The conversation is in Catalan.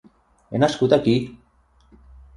He nascut aquí!